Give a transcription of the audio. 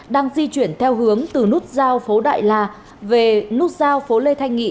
đang di chuyển theo hướng từ nút giao phố đại la về nút giao phố lê thanh nghị